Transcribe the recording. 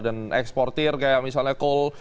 dan eksportir kayak misalnya coal